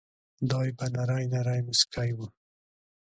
دای به نری نری مسکی و.